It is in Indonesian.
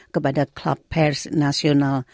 kepada club pairs national